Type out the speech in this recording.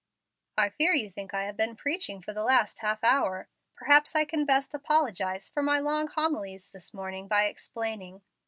"I fear you think I have been preaching for the last half hour. Perhaps I can best apologize for my long homilies this morning by explaining.